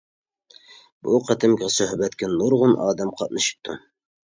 بۇ قېتىمقى سۆھبەتكە نۇرغۇن ئادەم قاتنىشىپتۇ.